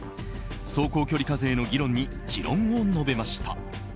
走行距離課税の議論に持論を述べました。